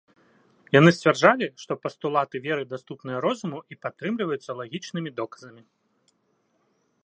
Яны сцвярджалі, што пастулаты веры даступныя розуму і падтрымліваюцца лагічнымі доказамі.